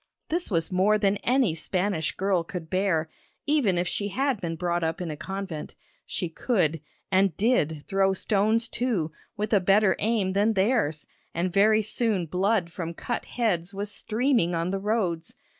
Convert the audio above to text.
This was more than any Spanish girl could bear, even if she had been brought up in a convent. She could and did throw stones too, with a better aim than theirs, and very soon blood from cut heads was streaming on the roads.